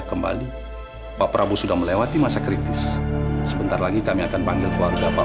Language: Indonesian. kembali pak prabowo sudah melewati masa kritis sebentar lagi kami akan panggil keluarga pak